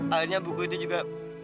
akhirnya buku itu juga